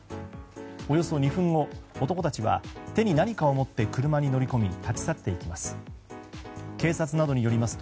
およそ２分後、男たちは手に何かを持って車に乗り込み立ち去っていきます。